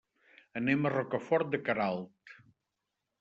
Anem a Rocafort de Queralt.